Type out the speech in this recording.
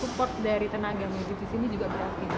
support dari tenaga medis di sini juga berarti